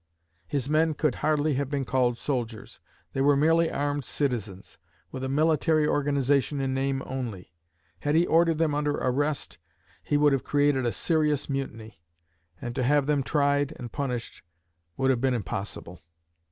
His men could hardly have been called soldiers. They were merely armed citizens, with a military organization in name only. Had he ordered them under arrest he would have created a serious mutiny; and to have them tried and punished would have been impossible.